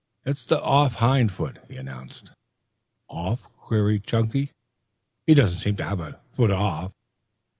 "It's the off hind foot," he announced. "Off?" queried Chunky. "He doesn't seem to have a foot off."